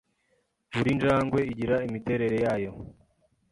Buri njangwe igira imiterere yayo.